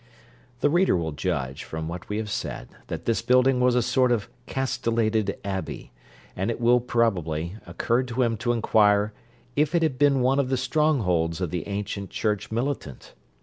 The reader will judge, from what we have said, that this building was a sort of castellated abbey; and it will, probably, occur to him to inquire if it had been one of the strong holds of the ancient church militant.